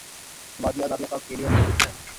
سماجی آزادیاں سب کیلئے محدود ہوں۔